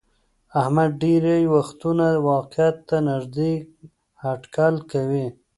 احمد ډېری وختونه واقعیت ته نیږدې هټکل کوي.